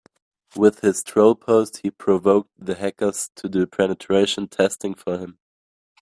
With his troll post he provoked the hackers to do penetration testing for him.